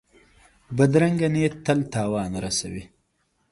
بدرنګه نیت تل تاوان رسوي